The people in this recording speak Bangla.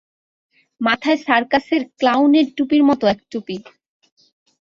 মাথায় সার্কাসের ক্লাউনের টুপির মতো এক টুপি।